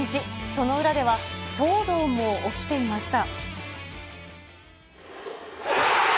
薗浦では、騒動も起きていました。